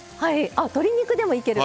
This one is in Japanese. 鶏肉でもいける。